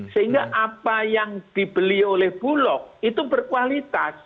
sehingga apa yang dibeli oleh bulog itu berkualitas